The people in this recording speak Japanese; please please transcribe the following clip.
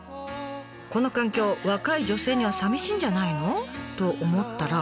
この環境若い女性には寂しいんじゃないの？と思ったら。